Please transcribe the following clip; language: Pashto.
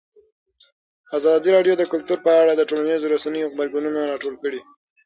ازادي راډیو د کلتور په اړه د ټولنیزو رسنیو غبرګونونه راټول کړي.